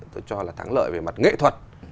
tôi cho là thắng lợi về mặt nghệ thuật